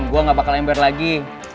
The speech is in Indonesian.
gue gak bakal ember lagi